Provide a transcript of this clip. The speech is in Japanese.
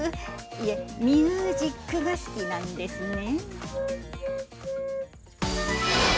いいえ、ミュージックが好きなんですね。